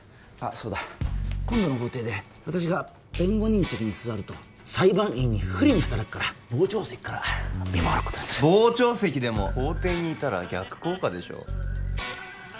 そうだ今度の法廷で私が弁護人席に座ると裁判員に不利に働くから傍聴席から見守ることにする傍聴席でも法廷にいたら逆効果でしょ